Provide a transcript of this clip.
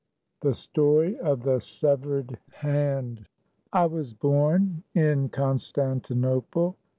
THE STOBY OF THE SEVEBED HAND. WAS born in Constantinople.